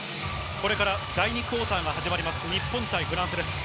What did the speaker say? これから第２クオーターが始まります日本対フランスです。